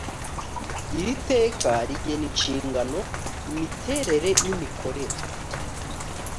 iri teka rigena inshingano, imiterere, n’imikorere